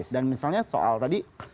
dan misalnya soal tadi